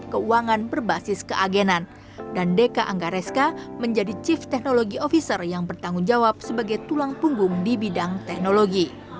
keuangan berbasis keagenan dan deka anggareska menjadi chief technology officer yang bertanggung jawab sebagai tulang punggung di bidang teknologi